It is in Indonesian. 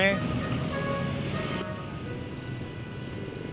lu sama kayak ojak